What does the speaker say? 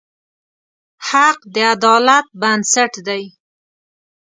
حق د عدالت بنسټ دی.